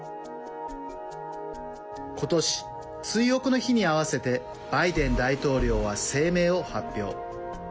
今年、追憶の日に合わせてバイデン大統領は声明を発表。